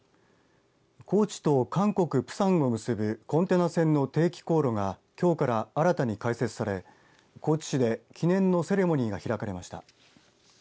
高知と韓国、プサンを結ぶコンテナ船の定期航路がきょうから新たに開設され高知市で記念のセレモニーが開かれました。